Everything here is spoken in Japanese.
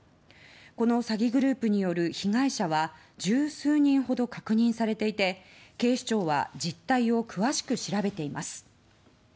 この詐欺グループによる被害者は十数人ほど確認されていて警視庁は実態を詳しく調べています。